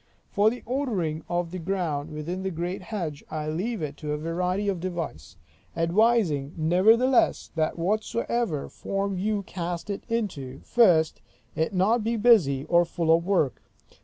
For the ordering of the ground, within the great hedge, I leave it to variety of device; advising nevertheless, that whatsoever form you cast it into, first, it be not too busy, or full of work.